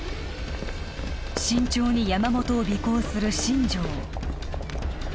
慎重に山本を尾行する新庄